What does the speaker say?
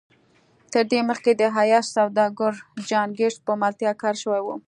تر دې مخکې د عیاش سوداګر جان ګیټس په ملتیا کار شوی و